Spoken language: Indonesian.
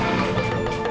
aku mau dibawain domba